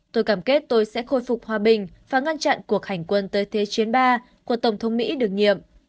tôi cam kết tôi sẽ côi phục hòa bình và ngăn chặn cuộc hành quân tới thế chiến ba của tổng thống mỹ được nhiệm